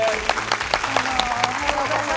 どうもおはようございます。